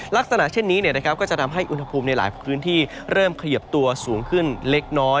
ลักษณะเช่นนี้ก็จะทำให้อุณหภูมิในหลายพื้นที่เริ่มขยับตัวสูงขึ้นเล็กน้อย